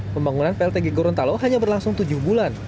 pembangunan pltg gorontalo hanya berlangsung tujuh bulan